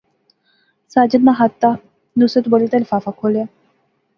ساجد ناں خط دا، نصرت بولی تے لفافہ کھولیا